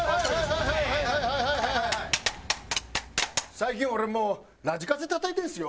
最近俺もうラジカセたたいてるんすよ。